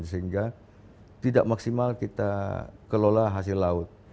sehingga tidak maksimal kita kelola hasil laut